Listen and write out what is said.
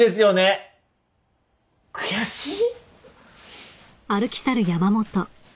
悔しい。